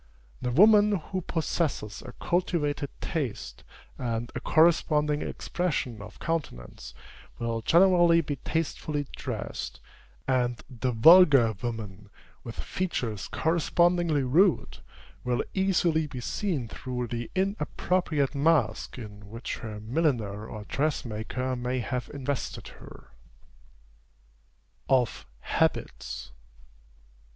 The woman who possesses a cultivated taste, and a corresponding expression of countenance, will generally be tastefully dressed; and the vulgar woman, with features correspondingly rude, will easily be seen through the inappropriate mask in which her milliner or dressmaker may have invested her. OF HABITS.